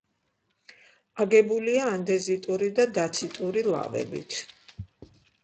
აგებულია ანდეზიტური და დაციტური ლავებით.